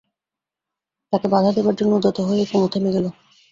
তাকে বাধা দেবার জন্যে উদ্যত হয়েই কুমু থেমে গেল।